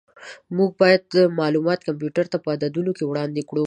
موږ باید معلومات کمپیوټر ته په عددونو کې وړاندې کړو.